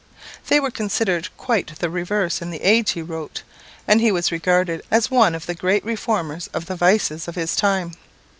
They were considered quite the reverse in the age he wrote, and he was regarded as one of the great reformers of the vices of his time.